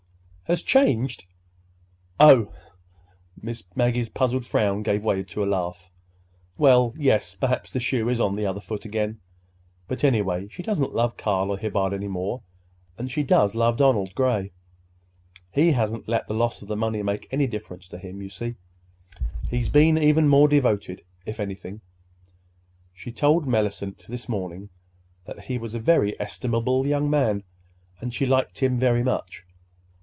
"Has changed—oh!" Miss Maggie's puzzled frown gave way to a laugh. "Well, yes, perhaps the shoe is on the other foot again. But, anyway, she doesn't love Carl or Hibbard any more, and she does love Donald Gray. He hasn't let the loss of the money make any difference to him, you see. He's been even more devoted, if anything. She told Mellicent this morning that he was a very estimable young man, and she liked him very much.